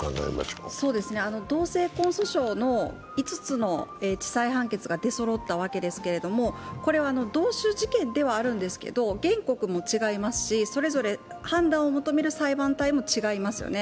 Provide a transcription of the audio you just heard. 同性婚訴訟の５つの地裁判決が出そろったわけですが、これは同種事件ではあるんですけれども原告も違いますし、それぞれ判断を求める裁判体も違いますよね。